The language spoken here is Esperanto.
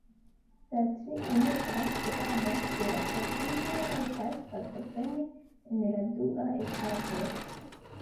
La tri unuaj teamoj de la klasigo rajtas partopreni en la dua etapo.